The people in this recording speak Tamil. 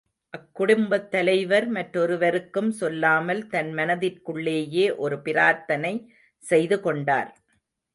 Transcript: அக்குடும்பத்தலைவர் மற்றொருவருக்கும் சொல்லாமல் தன் மனதிற்குள்ளேயே ஒரு பிரார்த்தனை செய்து கொண்டார்.